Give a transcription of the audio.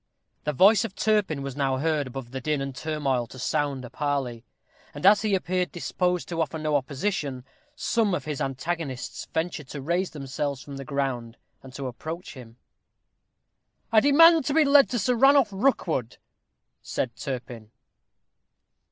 The voice of Turpin was now heard above the din and turmoil to sound a parley; and as he appeared disposed to offer no opposition, some of his antagonists ventured to raise themselves from the ground, and to approach him. "I demand to be led to Sir Ranulph Rookwood," said Turpin.